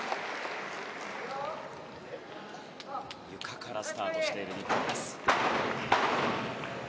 ゆかからスタートしていきます。